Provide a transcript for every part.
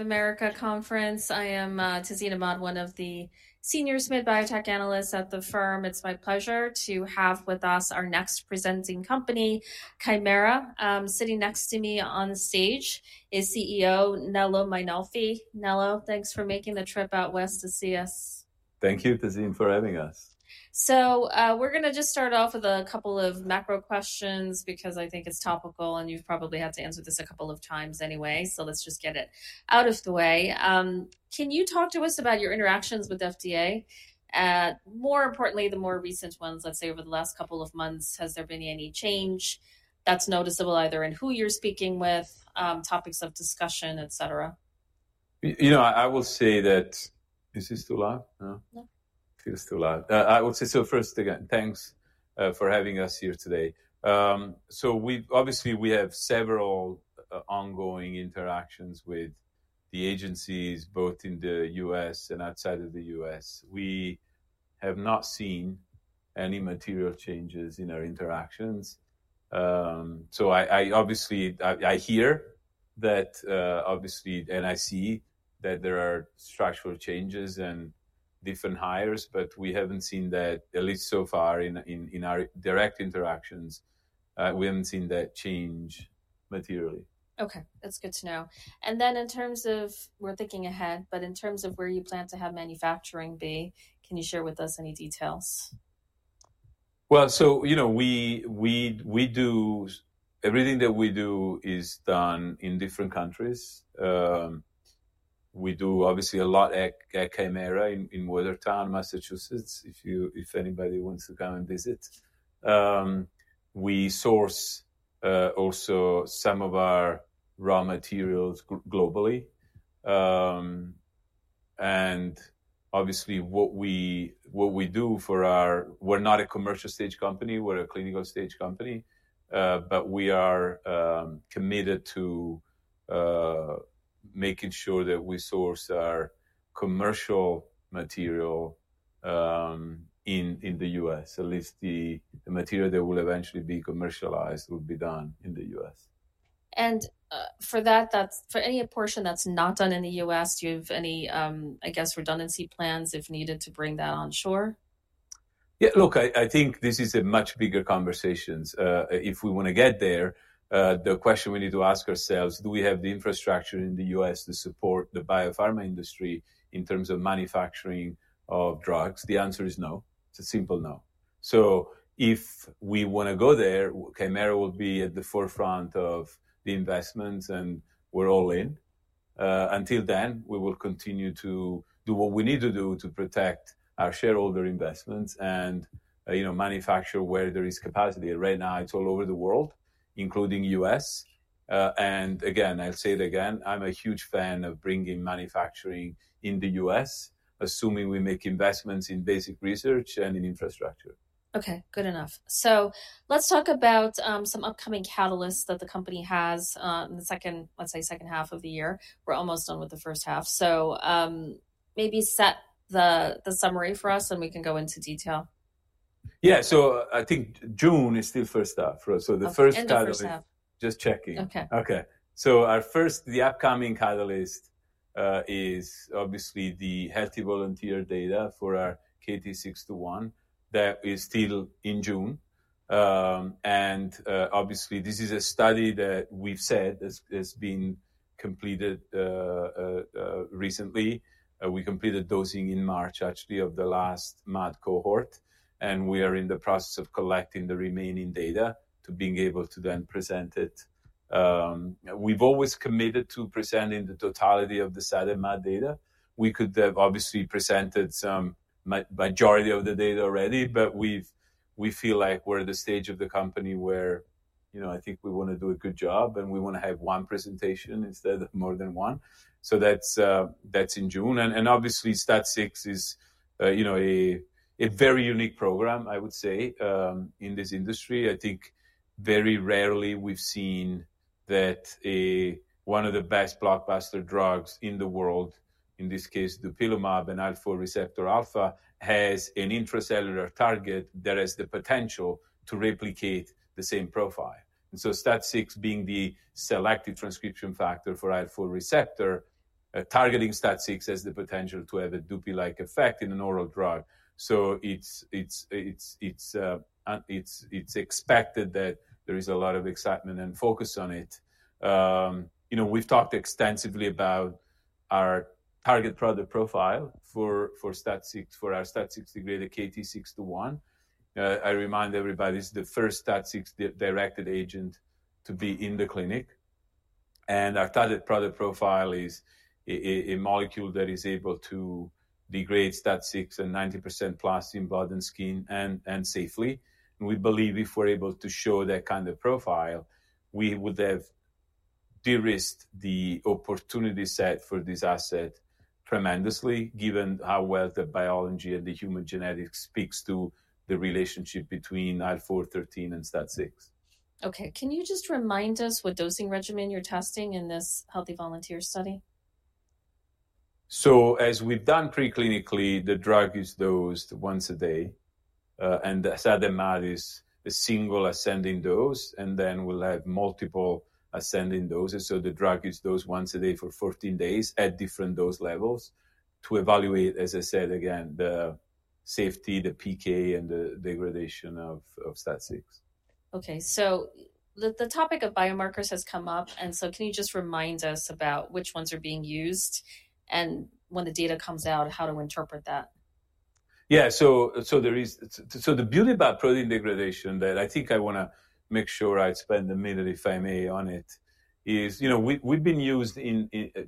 America Conference. I am Tazeen Ahmad, one of the senior SMID biotech analysts at the firm. It's my pleasure to have with us our next presenting company, Kymera. Sitting next to me on stage is CEO Nello Mainolfi. Nello, thanks for making the trip out west to see us. Thank you, Tazeen, for having us. We're going to just start off with a couple of macro questions because I think it's topical, and you've probably had to answer this a couple of times anyway. Let's just get it out of the way. Can you talk to us about your interactions with FDA? More importantly, the more recent ones, let's say over the last couple of months, has there been any change that's noticeable either in who you're speaking with, topics of discussion, etc.? You know, I will say that. Is this too loud? No. Feels too loud. I will say so first, again, thanks for having us here today. Obviously, we have several ongoing interactions with the agencies, both in the U.S. and outside of the U.S. We have not seen any material changes in our interactions. I hear that, obviously, and I see that there are structural changes and different hires, but we have not seen that, at least so far in our direct interactions, we have not seen that change materially. Okay, that's good to know. In terms of we're thinking ahead, but in terms of where you plan to have manufacturing be, can you share with us any details? You know, everything that we do is done in different countries. We do obviously a lot at Kymera in Watertown, Massachusetts, if anybody wants to come and visit. We source also some of our raw materials globally. Obviously, what we do for our—we're not a commercial stage company. We're a clinical stage company. We are committed to making sure that we source our commercial material in the U.S., at least the material that will eventually be commercialized will be done in the U.S. For any portion that's not done in the U.S., do you have any, I guess, redundancy plans if needed to bring that onshore? Yeah, look, I think this is a much bigger conversation. If we want to get there, the question we need to ask ourselves, do we have the infrastructure in the U.S. to support the biopharma industry in terms of manufacturing of drugs? The answer is no. It's a simple no. If we want to go there, Kymera will be at the forefront of the investments, and we're all in. Until then, we will continue to do what we need to do to protect our shareholder investments and manufacture where there is capacity. Right now, it's all over the world, including the U.S. I'll say it again, I'm a huge fan of bringing manufacturing in the U.S., assuming we make investments in basic research and in infrastructure. Okay, good enough. Let's talk about some upcoming catalysts that the company has in the second, let's say, second half of the year. We're almost done with the first half. Maybe set the summary for us, and we can go into detail. Yeah, so I think June is the first half, right? So the first. Okay, the first half. Just checking. Okay. Okay. Our first, the upcoming catalyst is obviously the healthy volunteer data for our KT-621 that is still in June. Obviously, this is a study that we've said has been completed recently. We completed dosing in March, actually, of the last MAD cohort. We are in the process of collecting the remaining data to being able to then present it. We've always committed to presenting the totality of the SAD and MAD data. We could have obviously presented some majority of the data already, but we feel like we're at the stage of the company where I think we want to do a good job, and we want to have one presentation instead of more than one. That's in June. Obviously, STAT6 is a very unique program, I would say, in this industry. I think very rarely we've seen that one of the best blockbuster drugs in the world, in this case, dupilumab and alpha receptor alpha, has an intracellular target that has the potential to replicate the same profile. STAT6 being the selective transcription factor for alpha receptor, targeting STAT6 has the potential to have a dupi-like effect in an oral drug. It is expected that there is a lot of excitement and focus on it. We've talked extensively about our target product profile for STAT6, for our STAT6 degrader KT-621. I remind everybody this is the first STAT6 directed agent to be in the clinic. Our target product profile is a molecule that is able to degrade STAT6 and 90%+ in blood and skin and safely. We believe if we're able to show that kind of profile, we would have de-risked the opportunity set for this asset tremendously, given how well the biology and the human genetics speaks to the relationship between IL-4/IL-13 and STAT6. Okay, can you just remind us what dosing regimen you're testing in this healthy volunteer study? As we've done preclinically, the drug is dosed once a day. The SAD and MAD is a single ascending dose, and then we'll have multiple ascending doses. The drug is dosed once a day for 14 days at different dose levels to evaluate, as I said, again, the safety, the PK, and the degradation of STAT6. Okay, the topic of biomarkers has come up. Can you just remind us about which ones are being used? When the data comes out, how to interpret that? Yeah, so the beauty about protein degradation that I think I want to make sure I spend a minute, if I may, on it is we've been used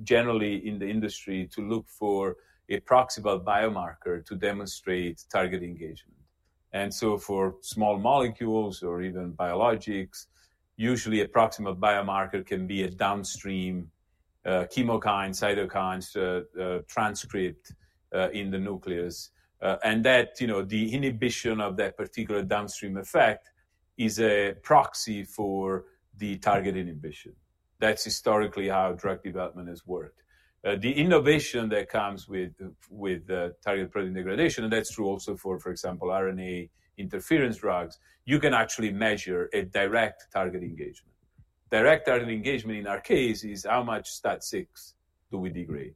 generally in the industry to look for a proximal biomarker to demonstrate target engagement. For small molecules or even biologics, usually a proximal biomarker can be a downstream chemokine, cytokine transcript in the nucleus. The inhibition of that particular downstream effect is a proxy for the target inhibition. That's historically how drug development has worked. The innovation that comes with target protein degradation, and that's true also for, for example, RNA interference drugs, you can actually measure a direct target engagement. Direct target engagement in our case is how much STAT6 do we degrade.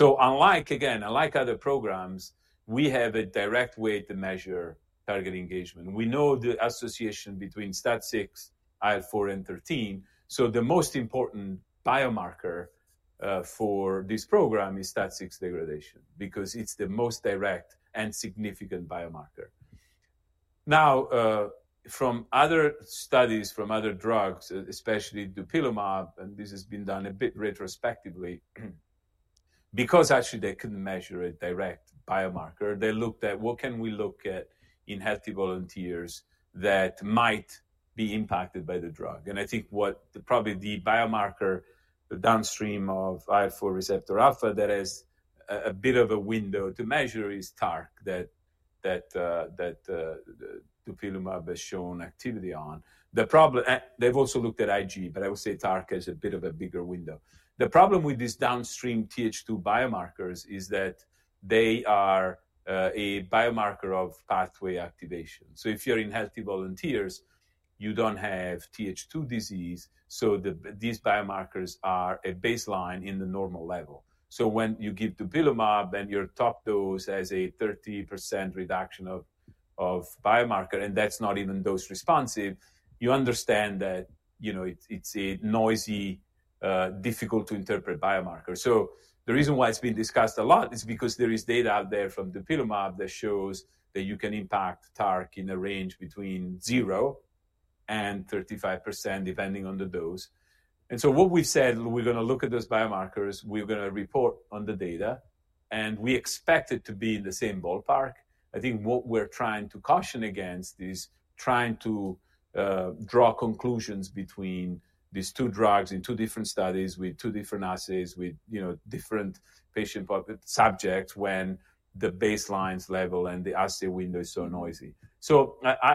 Unlike, again, unlike other programs, we have a direct way to measure target engagement. We know the association between STAT6, IL-4 and IL-13. The most important biomarker for this program is STAT6 degradation because it's the most direct and significant biomarker. Now, from other studies, from other drugs, especially dupilumab, and this has been done a bit retrospectively, because actually they couldn't measure a direct biomarker, they looked at what can we look at in healthy volunteers that might be impacted by the drug. I think what probably the biomarker downstream of alpha receptor alpha that has a bit of a window to measure is TARC that dupilumab has shown activity on. They've also looked at IgE, but I will say TARC has a bit of a bigger window. The problem with these downstream TH2 biomarkers is that they are a biomarker of pathway activation. If you're in healthy volunteers, you don't have TH2 disease. These biomarkers are a baseline in the normal level. When you give dupilumab and your top dose has a 30% reduction of biomarker, and that's not even dose responsive, you understand that it's a noisy, difficult to interpret biomarker. The reason why it's been discussed a lot is because there is data out there from dupilumab that shows that you can impact TARC in a range between zero and 35%, depending on the dose. What we've said, we're going to look at those biomarkers, we're going to report on the data, and we expect it to be in the same ballpark. I think what we're trying to caution against is trying to draw conclusions between these two drugs in two different studies with two different assays with different patient subjects when the baseline level and the assay window is so noisy.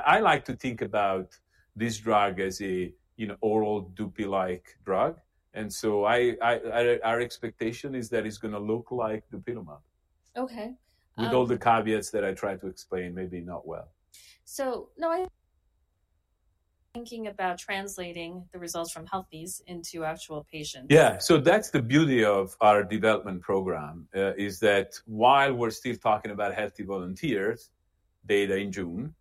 I like to think about this drug as an oral dupi-like drug. And our expectation is that it's going to look like dupilumab. Okay. With all the caveats that I tried to explain, maybe not well. Now I'm thinking about translating the results from healthies into actual patients. Yeah, so that's the beauty of our development program, is that while we're still talking about healthy volunteers data in June,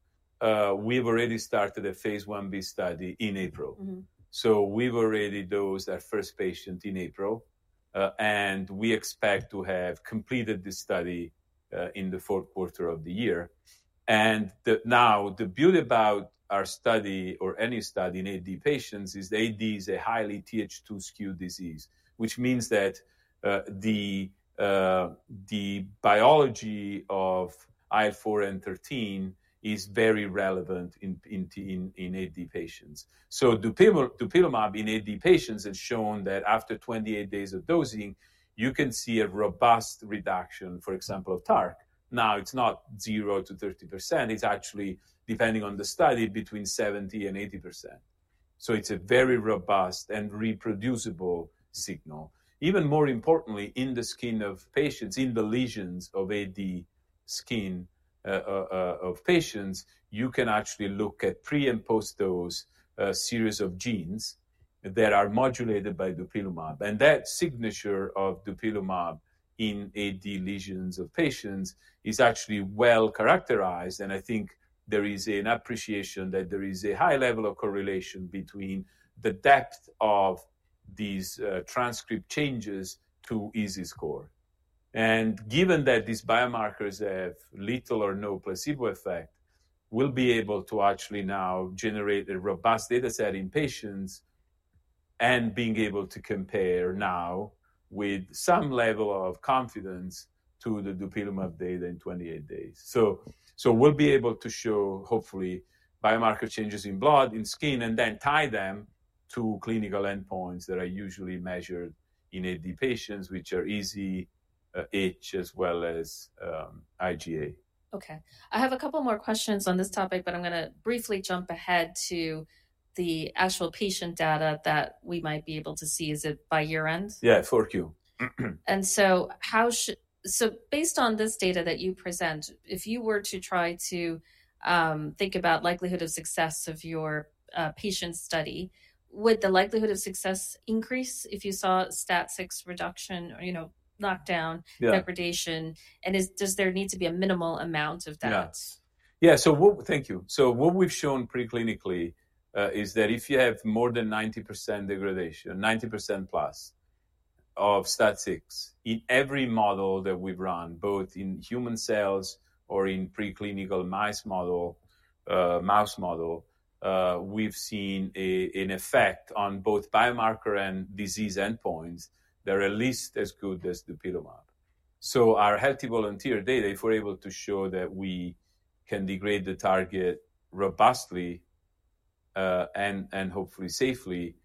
we've already started a phase I-B study in April. We've already dosed our first patient in April. We expect to have completed this study in the fourth quarter of the year. Now, the beauty about our study or any study in AD patients is the AD is a highly TH2 skewed disease, which means that the biology of IL-4 and IL-13 is very relevant in AD patients. Dupilumab in AD patients has shown that after 28 days of dosing, you can see a robust reduction, for example, of TARC. Now, it's not 0%-30%. It's actually, depending on the study, between 70% and 80%. It's a very robust and reproducible signal. Even more importantly, in the skin of patients, in the lesions of AD skin of patients, you can actually look at pre and post-dose series of genes that are modulated by dupilumab. That signature of dupilumab in AD lesions of patients is actually well characterized. I think there is an appreciation that there is a high level of correlation between the depth of these transcript changes to EASI score. Given that these biomarkers have little or no placebo effect, we'll be able to actually now generate a robust data set in patients and be able to compare now with some level of confidence to the dupilumab data in 28 days. We'll be able to show, hopefully, biomarker changes in blood, in skin, and then tie them to clinical endpoints that are usually measured in AD patients, which are EASI as well as IgE. Okay, I have a couple more questions on this topic, but I'm going to briefly jump ahead to the actual patient data that we might be able to see. Is it by year end? Yeah, 4Q. Based on this data that you present, if you were to try to think about the likelihood of success of your patient study, would the likelihood of success increase if you saw STAT6 reduction, knockdown, degradation? And does there need to be a minimal amount of that? Yeah, so thank you. What we've shown preclinically is that if you have more than 90% degradation, 90%+ of STAT6 in every model that we've run, both in human cells or in preclinical mouse model, we've seen an effect on both biomarker and disease endpoints that are at least as good as dupilumab. Our healthy volunteer data, if we're able to show that we can degrade the target robustly and hopefully safely,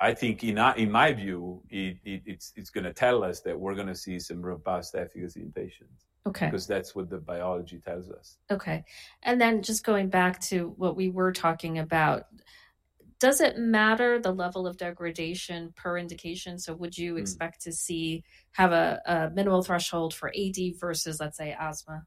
I think in my view, it's going to tell us that we're going to see some robust efficacy in patients because that's what the biology tells us. Okay, and then just going back to what we were talking about, does it matter the level of degradation per indication? Would you expect to see have a minimal threshold for AD versus, let's say, asthma?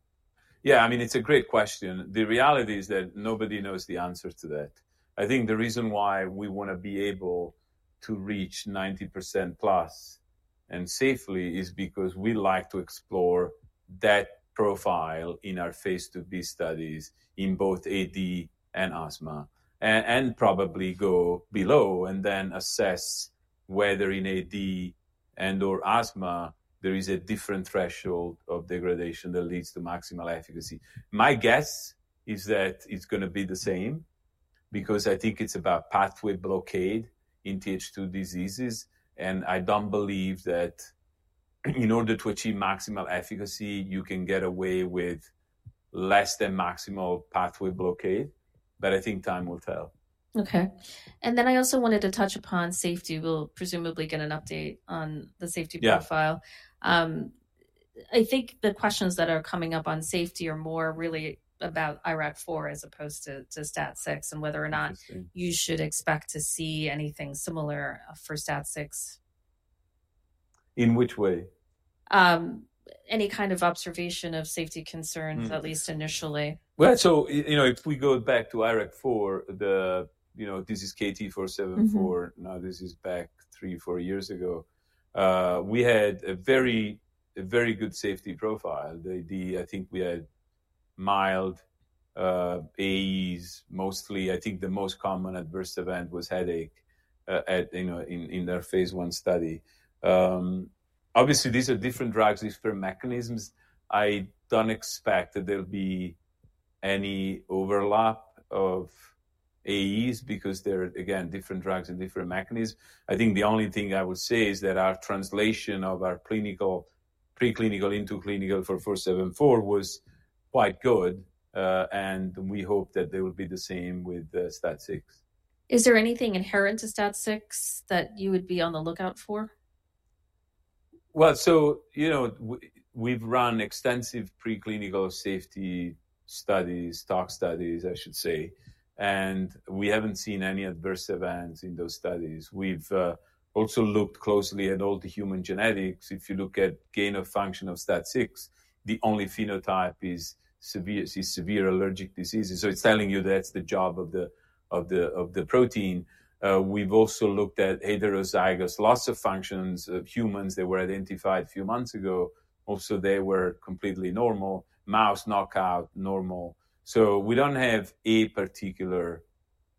Yeah, I mean, it's a great question. The reality is that nobody knows the answer to that. I think the reason why we want to be able to reach 90% plus and safely is because we like to explore that profile in our phase II-B studies in both AD and asthma and probably go below and then assess whether in AD and/or asthma, there is a different threshold of degradation that leads to maximal efficacy. My guess is that it's going to be the same because I think it's about pathway blockade in TH2 diseases. I don't believe that in order to achieve maximal efficacy, you can get away with less than maximal pathway blockade. I think time will tell. Okay, and then I also wanted to touch upon safety. We'll presumably get an update on the safety profile. I think the questions that are coming up on safety are more really about IRAK4 as opposed to STAT6 and whether or not you should expect to see anything similar for STAT6. In which way? Any kind of observation of safety concerns, at least initially. If we go back to IRAK4, this is KT-474. This is back three, four years ago. We had a very good safety profile. The AD, I think we had mild AEs mostly. I think the most common adverse event was headache in their phase I study. Obviously, these are different drugs, different mechanisms. I do not expect that there will be any overlap of AEs because they are, again, different drugs and different mechanisms. I think the only thing I would say is that our translation of our preclinical into clinical for KT-474 was quite good. We hope that it will be the same with STAT6. Is there anything inherent to STAT6 that you would be on the lookout for? We've run extensive preclinical safety studies, TARC studies, I should say. We haven't seen any adverse events in those studies. We've also looked closely at all the human genetics. If you look at gain of function of STAT6, the only phenotype is severe allergic diseases. It's telling you that's the job of the protein. We've also looked at heterozygous loss of functions of humans that were identified a few months ago. Also, they were completely normal. Mouse knockout, normal. We don't have a particular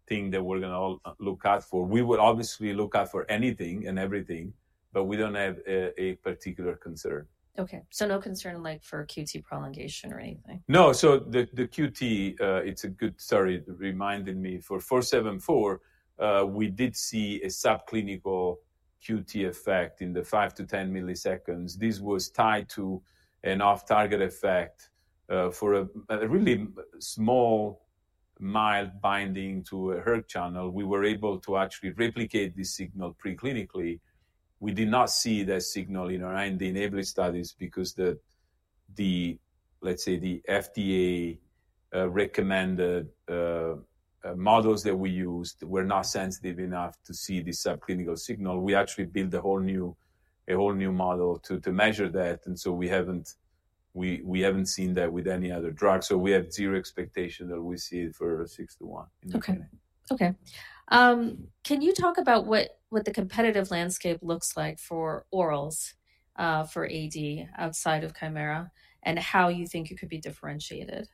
thing that we're going to look out for. We would obviously look out for anything and everything, but we don't have a particular concern. Okay, so no concern like for QT prolongation or anything? No, so the QT, it's a good, sorry, reminded me for KT-474, we did see a subclinical QT effect in the 5-10 milliseconds. This was tied to an off-target effect for a really small mild binding to a HERG channel. We were able to actually replicate this signal preclinically. We did not see that signal in our IND-enabling studies because the, let's say, the FDA recommended models that we used were not sensitive enough to see the subclinical signal. We actually built a whole new model to measure that. We haven't seen that with any other drug. We have zero expectation that we see it for KT-621. Okay, can you talk about what the competitive landscape looks like for orals for AD outside of Kymera and how you think it could be differentiated?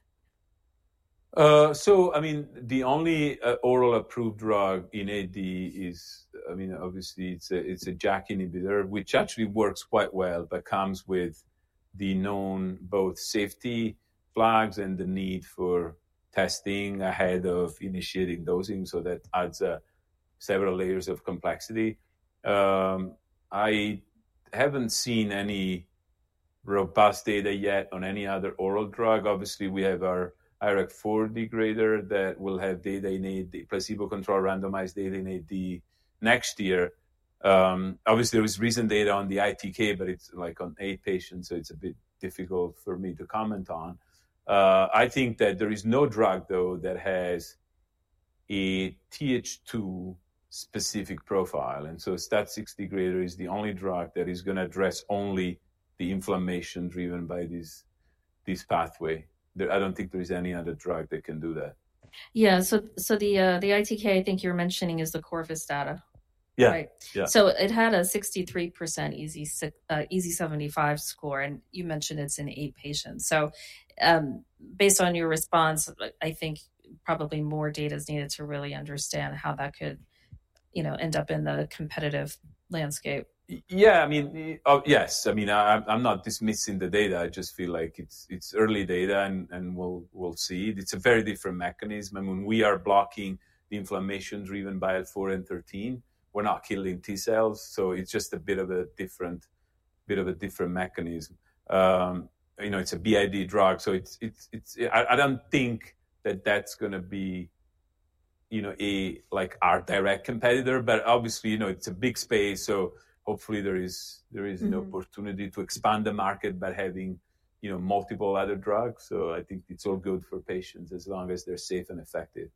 I mean, the only oral approved drug in AD is, I mean, obviously, it's a JAK inhibitor, which actually works quite well, but comes with the known both safety flags and the need for testing ahead of initiating dosing. That adds several layers of complexity. I haven't seen any robust data yet on any other oral drug. Obviously, we have our IRAK4 degrader that will have data in AD, placebo-controlled randomized data in AD next year. Obviously, there was recent data on the ITK, but it's like on eight patients, so it's a bit difficult for me to comment on. I think that there is no drug, though, that has a TH2 specific profile. STAT6 degrader is the only drug that is going to address only the inflammation driven by this pathway. I don't think there is any other drug that can do that. Yeah, so the ITK I think you're mentioning is the Corvus data. Yeah. It had a 63% EASI-75 score, and you mentioned it's in eight patients. Based on your response, I think probably more data is needed to really understand how that could end up in the competitive landscape. Yeah, I mean, yes. I mean, I'm not dismissing the data. I just feel like it's early data and we'll see. It's a very different mechanism. When we are blocking the inflammation driven by IL-4 and IL-13, we're not killing T cells. It's just a bit of a different mechanism. It's a BID drug. I don't think that that's going to be our direct competitor, but obviously, it's a big space. Hopefully there is an opportunity to expand the market by having multiple other drugs. I think it's all good for patients as long as they're safe and effective.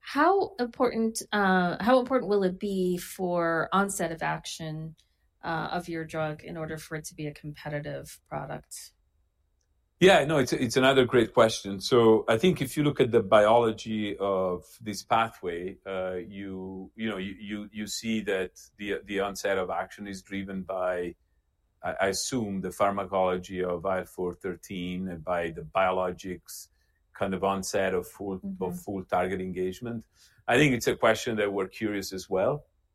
How important will it be for onset of action of your drug in order for it to be a competitive product? Yeah, no, it's another great question. I think if you look at the biology of this pathway, you see that the onset of action is driven by, I assume, the pharmacology of IL-4/13 and by the biologics kind of onset of full target engagement. I think it's a question that we're curious as well.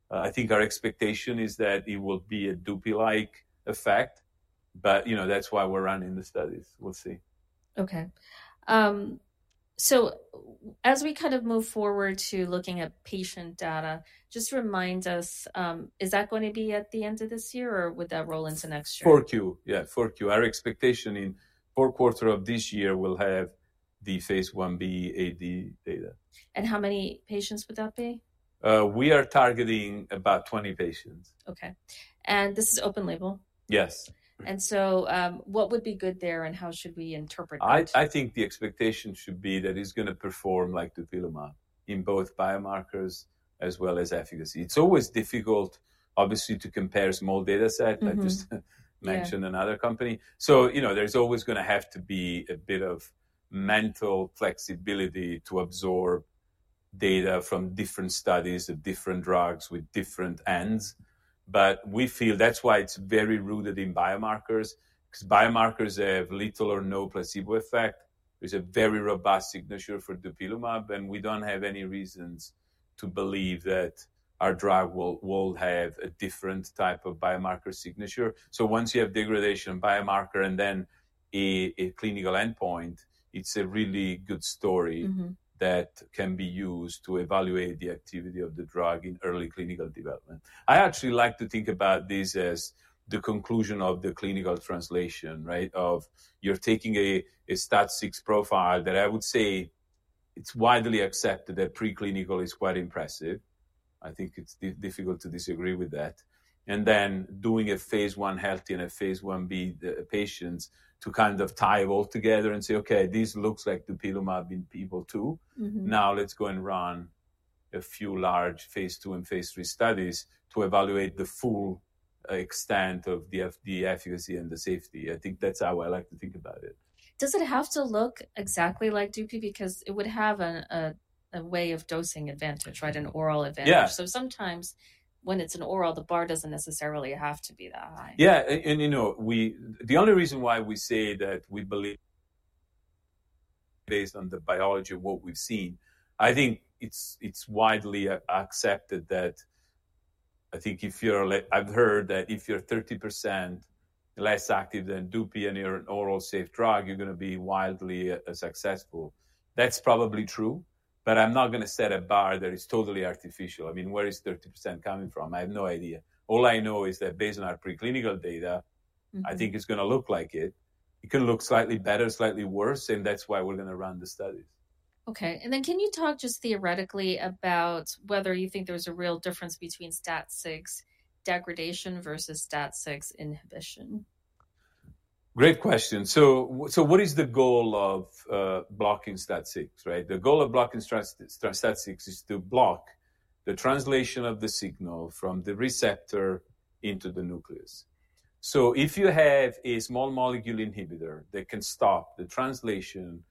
I think our expectation is that it will be a dupi-like effect, but that's why we're running the studies. We'll see. Okay, so as we kind of move forward to looking at patient data, just remind us, is that going to be at the end of this year or would that roll into next year? 4Q, yeah, 4Q. Our expectation in fourth quarter of this year will have the phase I-B AD data. How many patients would that be? We are targeting about 20 patients. Okay, and this is open label? Yes. What would be good there and how should we interpret that? I think the expectation should be that it's going to perform like dupilumab in both biomarkers as well as efficacy. It's always difficult, obviously, to compare small data sets like just mentioned another company. There is always going to have to be a bit of mental flexibility to absorb data from different studies of different drugs with different ends. We feel that's why it's very rooted in biomarkers because biomarkers have little or no placebo effect. There is a very robust signature for dupilumab, and we don't have any reasons to believe that our drug will have a different type of biomarker signature. Once you have degradation biomarker and then a clinical endpoint, it's a really good story that can be used to evaluate the activity of the drug in early clinical development. I actually like to think about this as the conclusion of the clinical translation, right, of you're taking a STAT6 profile that I would say it's widely accepted that preclinical is quite impressive. I think it's difficult to disagree with that. And then doing a phase I healthy and a phase I-B patients to kind of tie it all together and say, okay, this looks like dupilumab in people too. Now let's go and run a few large phase II and phase III studies to evaluate the full extent of the efficacy and the safety. I think that's how I like to think about it. Does it have to look exactly like dupi because it would have a way of dosing advantage, right, an oral advantage? Sometimes when it's an oral, the bar doesn't necessarily have to be that high. Yeah, and you know the only reason why we say that we believe based on the biology of what we've seen, I think it's widely accepted that I think if you're, I've heard that if you're 30% less active than dupi and you're an oral safe drug, you're going to be wildly successful. That's probably true, but I'm not going to set a bar that is totally artificial. I mean, where is 30% coming from? I have no idea. All I know is that based on our preclinical data, I think it's going to look like it. It can look slightly better, slightly worse, and that's why we're going to run the studies. Okay, and then can you talk just theoretically about whether you think there's a real difference between STAT6 degradation versus STAT6 inhibition? Great question. So what is the goal of blocking STAT6, right? The goal of blocking STAT6 is to block the translation of the signal from the receptor into the nucleus. If you have a small molecule inhibitor that can stop the translation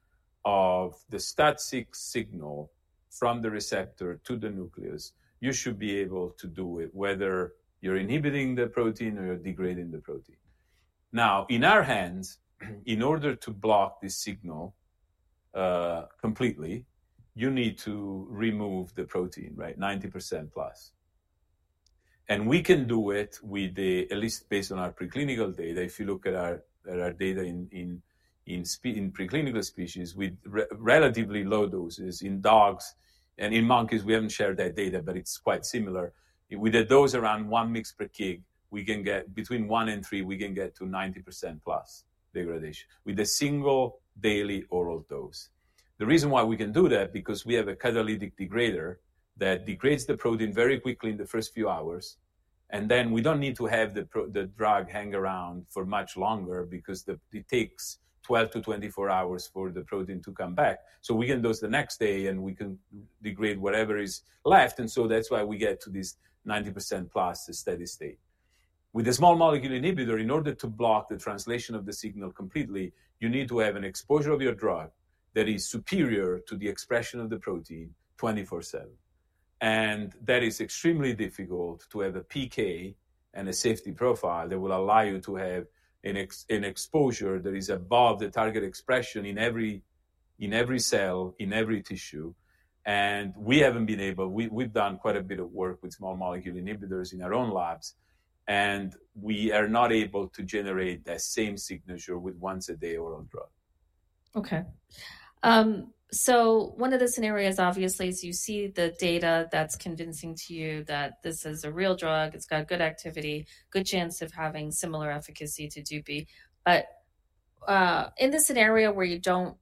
of the STAT6 signal from the receptor to the nucleus, you should be able to do it whether you're inhibiting the protein or you're degrading the protein. Now, in our hands, in order to block this signal completely, you need to remove the protein, right, 90% plus. We can do it with the, at least based on our preclinical data, if you look at our data in preclinical species with relatively low doses in dogs and in monkeys, we haven't shared that data, but it's quite similar. With a dose around 1 mg per kg, we can get between 1 mg and 3 mg, we can get to 90%+ degradation with a single daily oral dose. The reason why we can do that is because we have a catalytic degrader that degrades the protein very quickly in the first few hours. Then we do not need to have the drug hang around for much longer because it takes 12-24 hours for the protein to come back. We can dose the next day and we can degrade whatever is left. That is why we get to this 90%+ steady state. With a small molecule inhibitor, in order to block the translation of the signal completely, you need to have an exposure of your drug that is superior to the expression of the protein 24/7. That is extremely difficult to have a PK and a safety profile that will allow you to have an exposure that is above the target expression in every cell, in every tissue. We have not been able, we have done quite a bit of work with small molecule inhibitors in our own labs, and we are not able to generate that same signature with once-a-day oral drug. Okay, so one of the scenarios, obviously, is you see the data that's convincing to you that this is a real drug, it's got good activity, good chance of having similar efficacy to dupi. In the scenario where you don't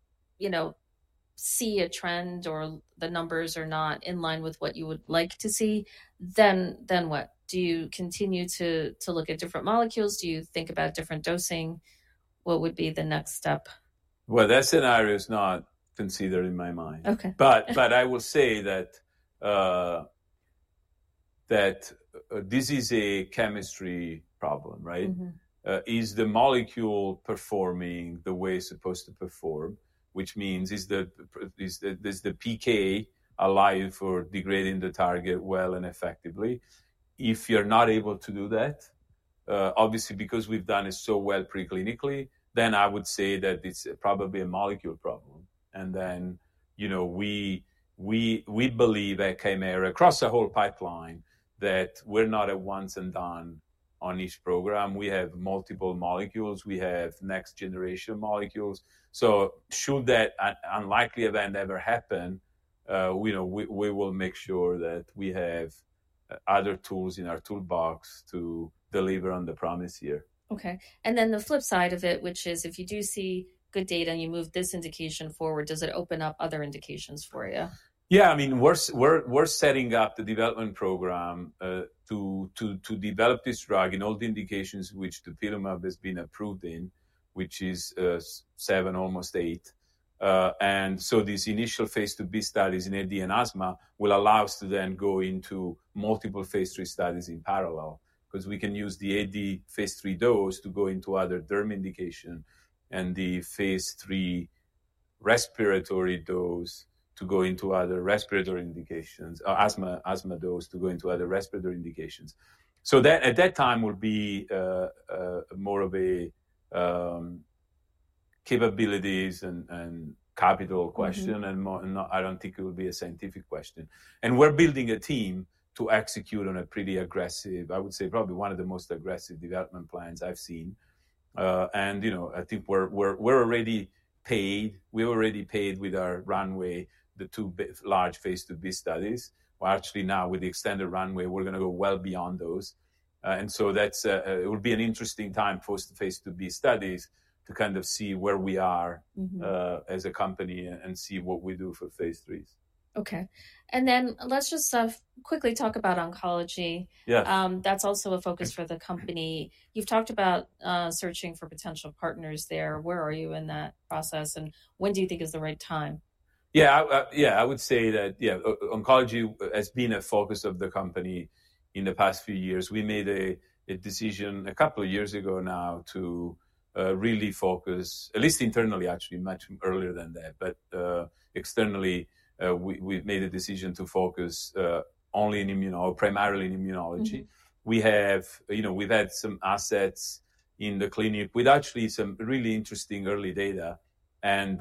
see a trend or the numbers are not in line with what you would like to see, then what? Do you continue to look at different molecules? Do you think about different dosing? What would be the next step? That scenario is not considered in my mind. I will say that this is a chemistry problem, right? Is the molecule performing the way it's supposed to perform, which means is the PK allow you for degrading the target well and effectively? If you're not able to do that, obviously, because we've done it so well preclinically, I would say that it's probably a molecule problem. We believe at Kymera, across the whole pipeline, that we're not a once and done on each program. We have multiple molecules. We have next generation molecules. Should that unlikely event ever happen, we will make sure that we have other tools in our toolbox to deliver on the promise here. Okay, and then the flip side of it, which is if you do see good data and you move this indication forward, does it open up other indications for you? Yeah, I mean, we're setting up the development program to develop this drug in all the indications which dupilumab has been approved in, which is seven, almost eight. This initial phase II-B studies in AD and asthma will allow us to then go into multiple phase III studies in parallel because we can use the AD phase III dose to go into other derm indication and the phase III respiratory dose to go into other respiratory indications, asthma dose to go into other respiratory indications. At that time will be more of a capabilities and capital question, and I don't think it will be a scientific question. We're building a team to execute on a pretty aggressive, I would say probably one of the most aggressive development plans I've seen. I think we're already paid. We're already paid with our runway, the two large phase II-B studies. Actually now with the extended runway, we're going to go well beyond those. It will be an interesting time for phase II-B studies to kind of see where we are as a company and see what we do for phase IIIs. Okay, and then let's just quickly talk about oncology. That's also a focus for the company. You've talked about searching for potential partners there. Where are you in that process and when do you think is the right time? Yeah, yeah, I would say that, yeah, oncology has been a focus of the company in the past few years. We made a decision a couple of years ago now to really focus, at least internally, actually much earlier than that, but externally we've made a decision to focus only in primarily in immunology. We've had some assets in the clinic with actually some really interesting early data. And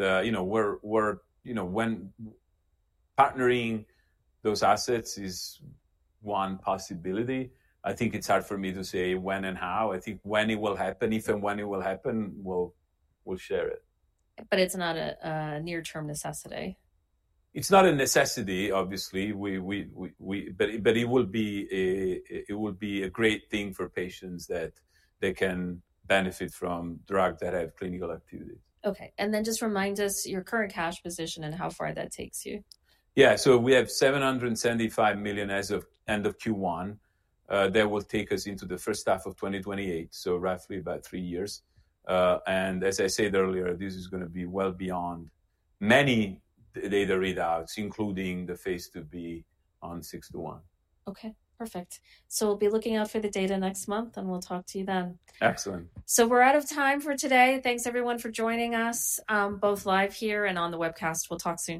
partnering those assets is one possibility. I think it's hard for me to say when and how. I think when it will happen, if and when it will happen, we'll share it. It's not a near-term necessity? It's not a necessity, obviously, but it will be a great thing for patients that they can benefit from drugs that have clinical activity. Okay, and then just remind us your current cash position and how far that takes you. Yeah, so we have $775 million as of end of Q1. That will take us into the first half of 2028, so roughly about three years. As I said earlier, this is going to be well beyond many data readouts, including the phase II-B on KT-621. Okay, perfect. We'll be looking out for the data next month and we'll talk to you then. Excellent. We're out of time for today. Thanks everyone for joining us, both live here and on the webcast. We'll talk.